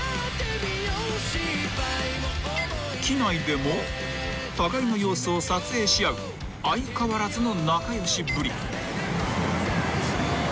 ［機内でも互いの様子を撮影し合う相変わらずの仲良しぶり］